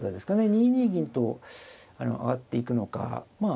２二銀と上がっていくのかまあ